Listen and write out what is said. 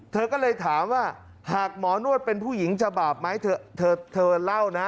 ที่ก็เลยถามว่าไม่เหมาะนวดเป็นผู้หญิงจะบาปไหมที่ที่จะเล่านะ